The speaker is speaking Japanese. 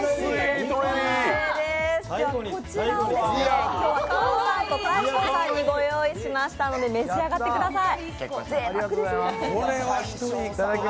こちらを今日は、きょんさんと大昇さんにご用意しましたので召し上がってください。